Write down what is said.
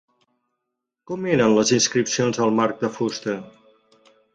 Com eren les inscripcions del marc de fusta?